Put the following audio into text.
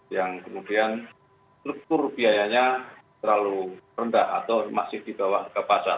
yang kemudian struktur biayanya terlalu rendah atau masih di bawah ke pasar